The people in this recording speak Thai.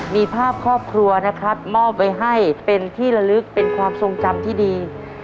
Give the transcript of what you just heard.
มีภาพครอบครัวนะครับมอบไว้ให้เป็นที่ละลึกเป็นความทรงจำที่ดี